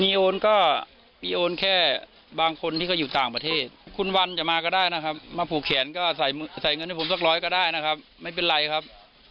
มีโอนก็มีโอนแค่บางคนที่เขาอยู่ต่างประเทศคุณวันจะมาก็ได้นะครับมาผูกแขนก็ใส่เงินให้ผมสักร้อยก็ได้นะครับไม่เป็นไรครับ